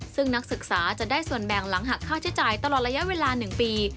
ซึ่งนักศึกษาจะได้ส่วนแบ่งหลังหักค่าใช้จ่ายตลอดระยะเวลา๑ปี